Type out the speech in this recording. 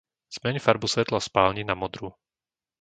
Zmeň farbu svetla v spálni na modrú.